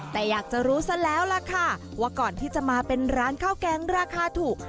แต่อยากจะรู้ซะแล้วล่ะค่ะว่าก่อนที่จะมาเป็นร้านข้าวแกงราคาถูก